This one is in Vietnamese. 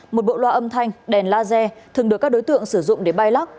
một bộ loa âm thanh đèn laser thường được các đối tượng sử dụng để bay lắc